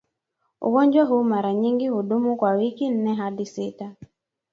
Ugonjwa huu mara nyingi hudumu kwa wiki nne hadi sita